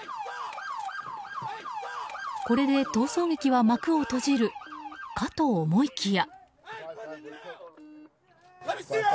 これで逃走劇は幕を閉じるかと思いきや。